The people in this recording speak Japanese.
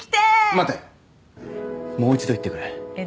待てもう一度言ってくれえっ？